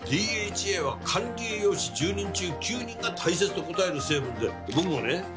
ＤＨＡは管理栄養士１０人中９人が大切と答える成分で僕もね